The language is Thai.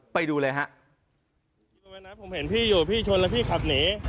ไปดูเลยครับ